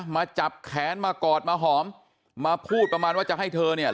มาจับแขนมากอดมาหอมมาพูดประมาณว่าจะให้เธอเนี่ย